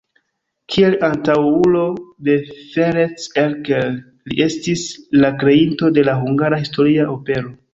Kiel antaŭulo de Ferenc Erkel li estis la kreinto de la hungara historia opero.